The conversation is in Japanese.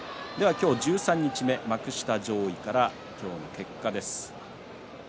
十三日目、幕下上位から今日の結果です。